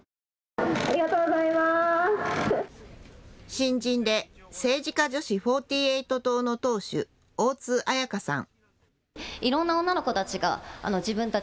新人で政治家女子４８党の党首大津綾香さん。